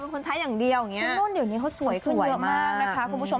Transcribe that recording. เป็นคนใช้อย่างเดียวเผาอีกตรงนั้นดูไมมันสวยแค่นี้